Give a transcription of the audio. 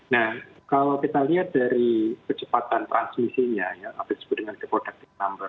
nah kalau kita lihat dari kecepatan transmisinya ya apa disebut dengan the productive number